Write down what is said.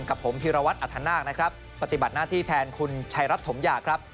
กับผมฮีรวัตอธนาคปฏิบัติหน้าที่แทนคุณชายรัฐถมยา